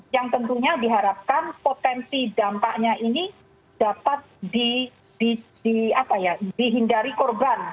yang tentunya diharapkan potensi dampaknya ini dapat dihindari korban